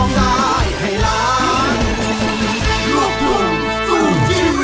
สร้างสมัครโมง